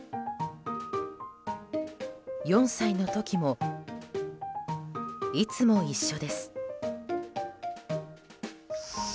４歳の時も、いつも一緒です。